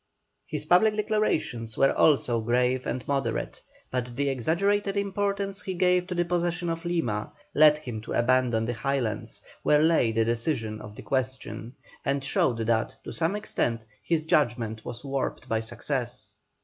His public declarations were also grave and moderate, but the exaggerated importance he gave to the possession of Lima, led him to abandon the Highlands, where lay the decision of the question, and showed that, to some extent, his judgment was warped by success.